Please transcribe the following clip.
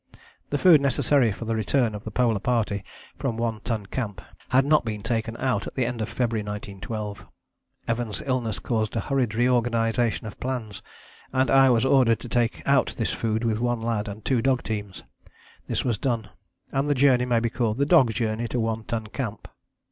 The food necessary for the return of the Polar Party from One Ton Camp had not been taken out at the end of February 1912. Evans' illness caused a hurried reorganization of plans, and I was ordered to take out this food with one lad and two dog teams. This was done, and the journey may be called the Dog Journey to One Ton Camp.